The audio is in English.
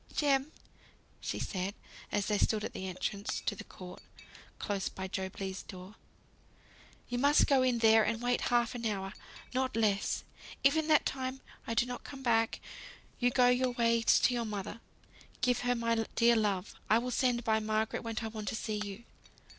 "Jem!" said she, as they stood at the entrance to the court, close by Job Legh's door, "you must go in there and wait half an hour. Not less. If in that time I don't come back, you go your ways to your mother. Give her my dear love. I will send by Margaret when I want to see you."